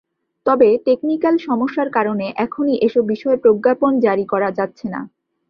তবে টেকনিক্যাল সমস্যার কারণে এখনই এসব বিষয়ে প্রজ্ঞাপন জারি করা যাচ্ছে না।